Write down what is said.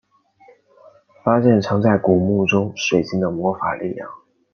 发现藏在古墓中水晶的魔法力量。